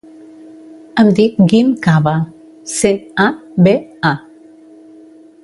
Em dic Guim Caba: ce, a, be, a.